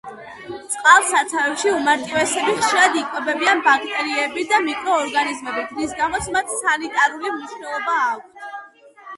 წყალსაცავებში უმარტივესები ხშირად იკვებებიან ბაქტერიებით და მიკროორგანიზმებით, რის გამოც მათ სანიტარული მნიშვნელობა აქვთ.